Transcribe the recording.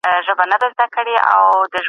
قرآن څه حکم کوي؟